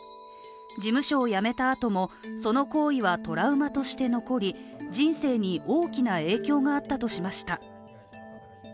事務所を辞めたあとも、その行為はトラウマとして残り、人生に大きな影響があったとしました。